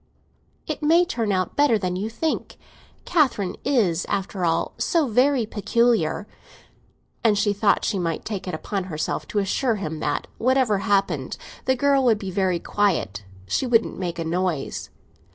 "It may turn out better than you think. Catherine is, after all, so very peculiar." And she thought she might take it upon herself to assure him that, whatever happened, the girl would be very quiet—she wouldn't make a noise.